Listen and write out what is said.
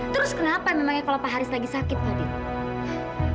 terus kenapa namanya kalau pak haris lagi sakit fadil